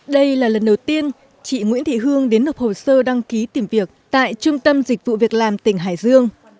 đây là lần đầu tiên chị nguyễn thị hương đến nộp hồ sơ đăng ký tìm việc tại trung tâm dịch vụ việc làm tỉnh hải dương